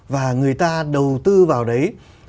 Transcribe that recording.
và người ta đầu tư vào đấy